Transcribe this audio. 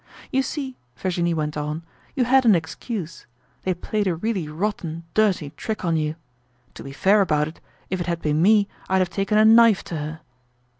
"You see," Virginie went on, "you had an excuse. They played a really rotten, dirty trick on you. To be fair about it, if it had been me, I'd have taken a knife to her."